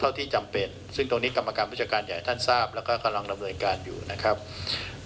เท่าที่จำเป็นซึ่งตรงนี้กรรมการพจการใหญ่ท่านทราบและกำลังลำเนินการอยู่สถานงานกรรมประกันภัย